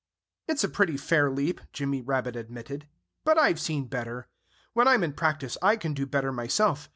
"It's a pretty fair leap," Jimmy Rabbit admitted. "But I've seen better. When I'm in practice I can do better myself.